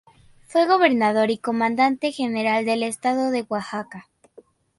Fue gobernador y Comandante General del Estado de Oaxaca.